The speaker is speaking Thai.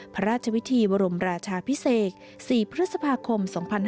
พระราชวิธีบรมราชาพิเศษ๔พฤษภาคม๒๕๕๙